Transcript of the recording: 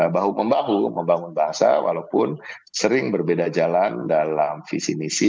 bahu membahu membangun bahasa walaupun sering berbeda jalan dalam visi misi